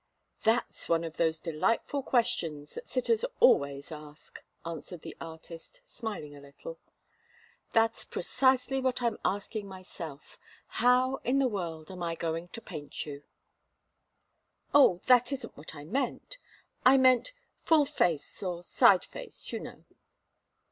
"That's one of those delightful questions that sitters always ask," answered the artist, smiling a little. "That's precisely what I'm asking myself how in the world am I going to paint you?" "Oh that isn't what I meant! I meant full face or side face, you know."